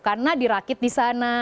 karena dirakit di sana